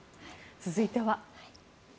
続いては。